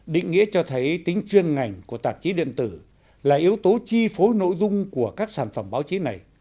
định nghĩa cho thấy tính chuyên ngành của tạp chí điện tử là yếu tố chi phối nội dung của các sản phẩm báo chí này